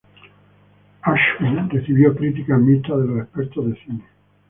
Ashby recibió críticas mixtas de los expertos de cine.